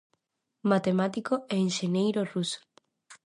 Matemático e enxeñeiro ruso.